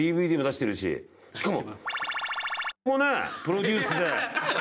しかも。